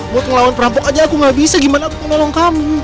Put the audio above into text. mau ngelawan perampok aja aku gak bisa gimana aku mau nolong kamu